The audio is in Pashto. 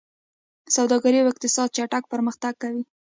سوداګري او اقتصاد چټک پرمختګ کوي.